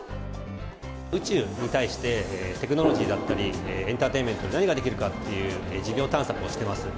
宇宙に対して、テクノロジーだったり、エンターテインメントで何ができるのか、事業探索をしてます。